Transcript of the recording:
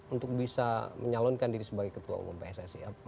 untuk bisa menyalonkan diri sebagai ketua umum pssi